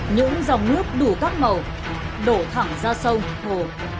những dòng nước đủ các màu đổ thẳng ra sông hồ